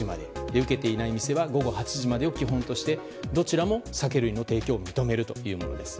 受けていない店は午後８時までを基本としてどちらも酒類の提供を認めるということです。